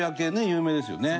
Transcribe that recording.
有名ですよね。